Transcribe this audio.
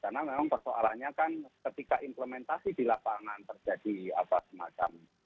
karena memang persoalannya kan ketika implementasi di lapangan terjadi semacam